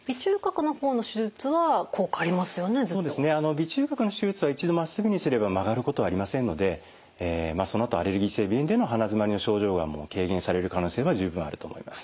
鼻中隔の手術は一度まっすぐにすれば曲がることはありませんのでそのあとアレルギー性鼻炎での鼻づまりの症状がもう軽減される可能性は十分あると思います。